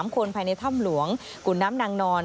คนภายในถ้ำหลวงขุนน้ำนางนอน